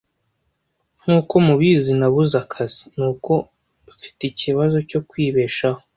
Nkuko mubizi, nabuze akazi, nuko mfite ikibazo cyo kwibeshaho.